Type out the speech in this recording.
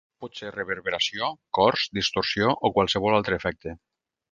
Pot ser reverberació, cors, distorsió, o qualsevol altre efecte.